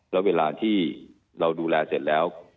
แล้วเวลาที่เราดูแลเสร็จแล้ว